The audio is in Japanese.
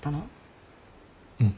うん。